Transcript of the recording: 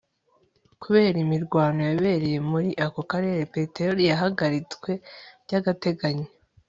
kubera imirwano yabereye muri ako karere, peteroli yarahagaritswe by'agateganyo